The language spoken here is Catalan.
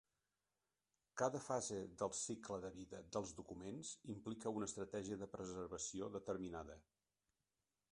Cada fase del cicle de vida dels documents implica una estratègia de preservació determinada.